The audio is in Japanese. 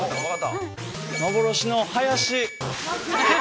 幻の林！